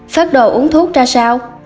phát đồ uống thuốc ra sao